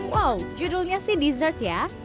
wow judulnya sih dessert ya